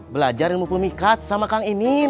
belajar ilmu pemikat sama kang ini